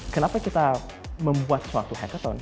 kenapa kita membuat suatu hackerson